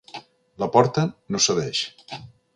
La porta no cedeix.